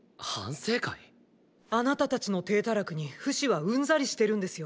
あなたたちの体たらくにフシはうんざりしてるんですよ